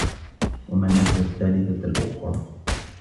وَمَناةَ الثّالِثَةَ الأُخرى